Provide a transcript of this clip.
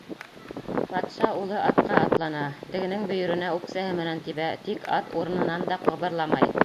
Батша улы атҡа атлана, тегенең бөйөрөнә үксәһе менән тибә, тик ат урынынан да ҡыбырламай.